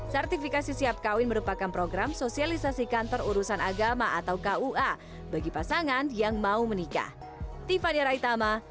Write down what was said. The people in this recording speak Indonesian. sertifikasi siap kawin merupakan program sosialisasi kantor urusan agama atau kua bagi pasangan yang mau menikah